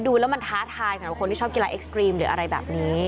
ดูแล้วมันท้าทายสำหรับคนที่ชอบกีฬาเอ็กซรีมหรืออะไรแบบนี้